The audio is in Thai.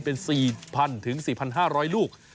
เป็น๔๐๐๐๔๕๐๐ลูก